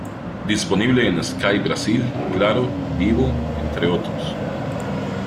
Disponible en Sky Brasil, Claro, Vivo entre otros.